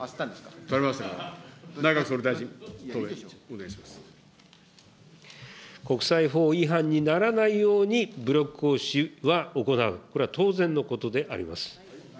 内閣総理大臣、答弁お願いし国際法違反にならないように、武力行使は行う、これは当然のことであります。